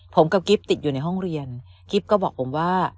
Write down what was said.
ผมกับกิ๊บติดอยู่ในห้องเรียนกิ๊บก็บอกผมว่า